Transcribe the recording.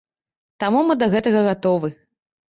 Таму мы да гэтага гатовы.